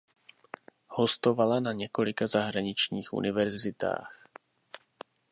Hostovala na několika zahraničních univerzitách.